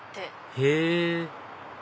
へぇ！